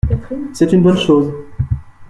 C’est une bonne chose.